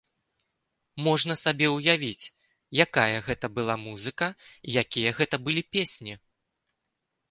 Можна сабе ўявіць, якая гэта была музыка і якія гэта былі песні!